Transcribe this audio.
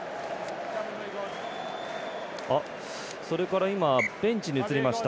それから今、ベンチで映りました